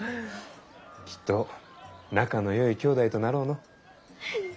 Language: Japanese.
きっと仲のよい兄弟となろうの。